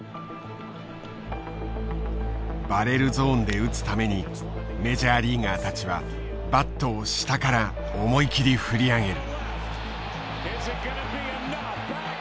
バレルゾーンで打つためにメジャーリーガーたちはバットを下から思い切り振り上げる。